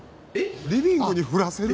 リビングに降らせる？